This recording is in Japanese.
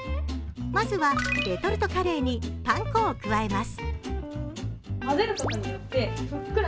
まずは、レトルトカレーにパン粉を加えます。